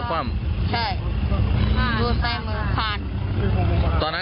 ไฟท้ายมันยังแจ้งอยู่แล้วตอนนั้น